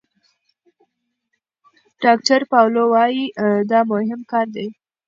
ډاکتر پاولو وايي دا مهم کار دی.